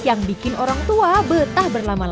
yang bikin orang tua betah berlama lama